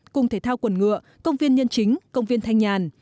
cùng thể thao quần ngựa công viên nhân chính công viên thanh nhàn